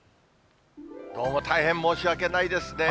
どうも大変申し訳ないですね。